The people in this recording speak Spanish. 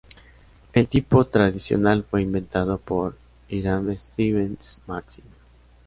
El tipo tradicional fue inventado por Hiram Stevens Maxim.